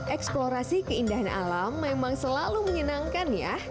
eksplorasi keindahan alam memang selalu menyenangkan ya